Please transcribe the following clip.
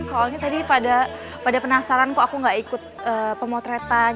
soalnya tadi pada penasaran kok aku gak ikut pemotretan